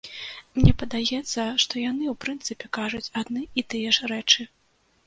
Мне падаецца, што яны ў прынцыпе кажуць адны і тыя ж рэчы.